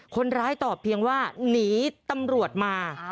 คนร้ายตอบเพียงว่าหนีตำรวจมา